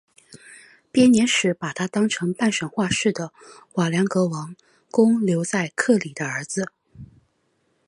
编年史把他当成半神话式的瓦良格王公留里克的儿子。